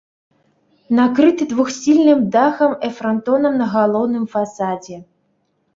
Накрыты двухсхільным дахам э франтонам на галоўным фасадзе.